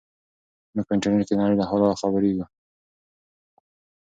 موږ په انټرنیټ کې د نړۍ له حاله خبریږو.